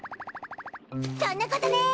そんなことねい！